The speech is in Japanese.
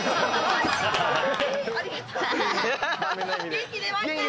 元気出ました。